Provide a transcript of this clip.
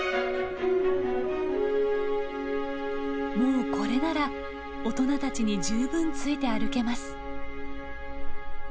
もうこれなら大人たちに十分ついて歩けます。